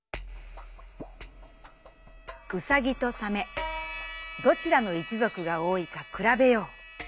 「うさぎとサメどちらの一ぞくが多いかくらべよう。